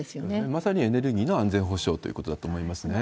まさにエネルギーの安全保障ということだと思いますね。